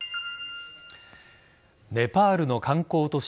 ネパールの観光都市